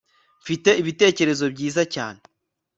mfite ibitekerezo byiza cyane